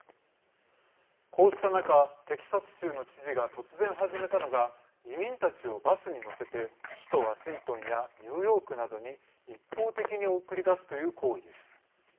こうした中テキサス州の知事が突然始めたのが移民たちをバスに乗せて首都ワシントンやニューヨークなどに一方的に送り出すという行為です。